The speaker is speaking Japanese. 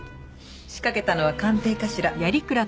仕掛けたのは官邸かしら？